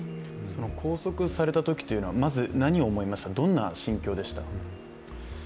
その拘束されたときというのはまず何を思いましたか、どんな心境でした？